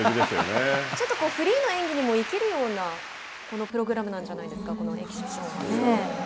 ちょっとフリーの演技にも生きるようなこのプログラムなんじゃないですかこのエキシビションは。